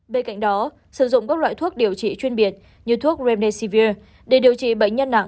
bên cạnh đó sử dụng các loại thuốc điều trị chuyên biệt như thuốc remesivir để điều trị bệnh nhân nặng